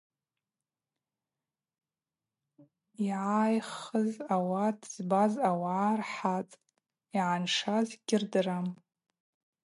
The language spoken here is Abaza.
Йъагӏайхыз ауат збаз ауагӏа рхӏатӏ, йгӏаншаз гьырдырам.